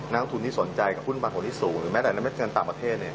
น้ำทุนที่สนใจกับหุ้นปันผลที่สูงหรือแม้แต่แม่งเงินตามประเทศ